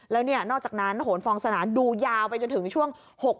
แล้วเนี่ยนอกจากนั้นโหนฟองสนาดูยาวไปจนถึงช่วง๖๐